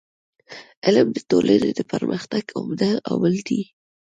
علم د ټولني د پرمختګ عمده عامل دی.